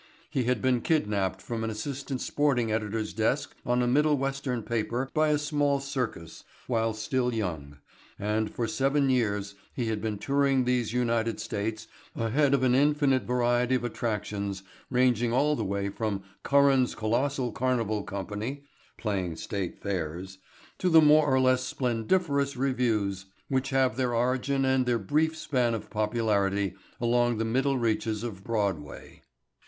He had been kidnapped from an assistant sporting editor's desk on a middle western paper by a small circus, while still young, and for seven years he had been touring these United States ahead of an infinite variety of attractions ranging all the way from Curran's Colossal Carnival company (playing state fairs) to the more or less splendiferous "revues" which have their origin and their brief span of popularity along the middle reaches of Broadway.